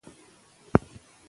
ایا لیک کافي دی؟